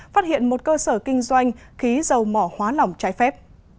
phát hiện một cơ sở kinh doanh khí dầu mỏ hóa lỏng trái phép